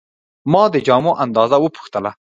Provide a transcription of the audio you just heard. ما د جامو اندازه وپوښتله.